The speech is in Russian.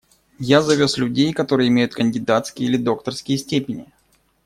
Я завез людей, которые имеют кандидатские или докторские степени.